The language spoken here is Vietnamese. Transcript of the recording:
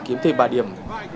kiếm thêm ba điểm